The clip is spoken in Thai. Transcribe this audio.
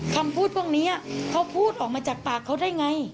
คำพูดพวกนี้เขาพูดออกมาจากปากเขาได้ไง